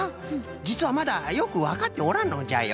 じつはまだよくわかっておらんのじゃよ。